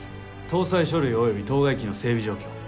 搭載書類及び当該機の整備状況。